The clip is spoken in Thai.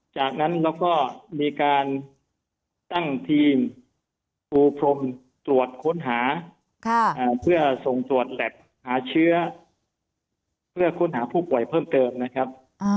จากนั้นเราก็มีการตั้งทีมปูพรมตรวจค้นหาเพื่อส่งตรวจแล็บหาเชื้อเพื่อค้นหาผู้ป่วยเพิ่มเติมนะครับ